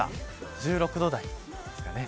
１６度台ですかね。